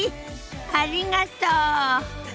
ありがとう。